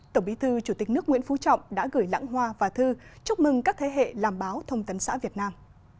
tổng bí thư chủ tịch nước nguyễn phú trọng đã gửi lãng hoa và thư chúc mừng các thế hệ làm báo thông tấn xã việt nam